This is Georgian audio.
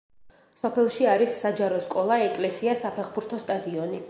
სოფელში არის საჯარო სკოლა, ეკლესია, საფეხბურთო სტადიონი.